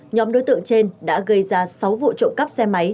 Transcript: nhóm đối tượng trên đã gây ra sáu vụ trộm cắp xe máy